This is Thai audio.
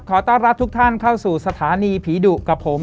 ขอต้อนรับทุกท่านเข้าสู่สถานีผีดุกับผม